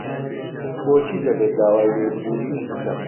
بۆچی دەبێت داوای لێبوورین بکەم؟